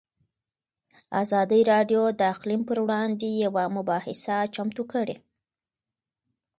ازادي راډیو د اقلیم پر وړاندې یوه مباحثه چمتو کړې.